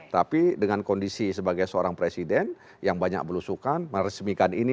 tapi dengan kondisi sebagai seorang presiden yang banyak berusukan meresmikan ini